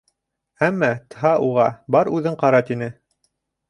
Әммә Тһа уға: «Бар, үҙең ҡара», — тине.